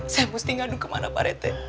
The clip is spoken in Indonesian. saya mesti ngadu kemana pak rete